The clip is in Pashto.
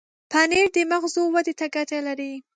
پنېر د مغزو ودې ته ګټه لري.